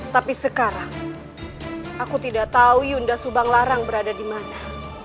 tapi sekarang aku tidak tahu yunda subang larang berada di mana